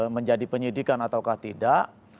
menjadi penyidikan atau tidak